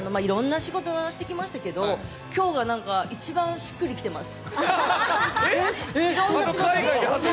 いろんな仕事をしてきましたけど、今日が一番しっくりきてます。